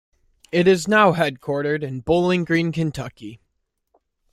It is now headquartered in Bowling Green, Kentucky.